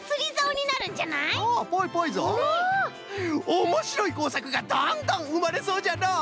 おもしろいこうさくがどんどんうまれそうじゃのう。